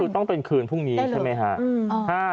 ต้องเป็นคืนพรุ่งนี้ใช่ไหมฮะ